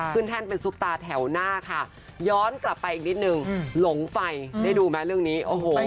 แท่นเป็นซุปตาแถวหน้าค่ะย้อนกลับไปอีกนิดนึงหลงไฟได้ดูไหมเรื่องนี้โอ้โห